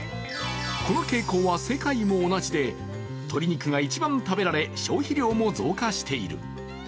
この傾向は世界も同じで鶏肉が一番食べられ消費量も増加している。